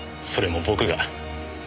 それも僕が。